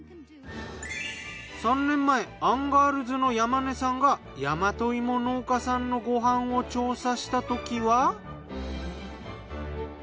３年前アンガールズの山根さんが大和芋農家さんのご飯を調査したときは。